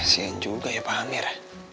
siang juga ya pak amir